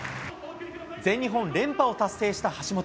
全日本連覇を達成した橋本。